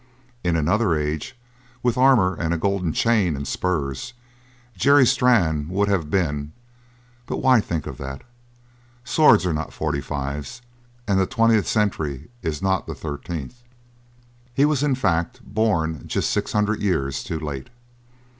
In another age, with armour and a golden chain and spurs, Jerry Strann would have been but why think of that? Swords are not forty fives, and the Twentieth Century is not the Thirteenth. He was, in fact, born just six hundred years too late.